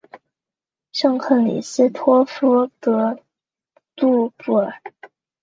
圣克里斯托夫德杜布尔。